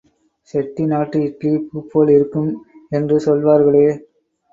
செட்டி நாட்டு இட்லி பூப்போல் இருக்கும் என்று சொல்வார்களே.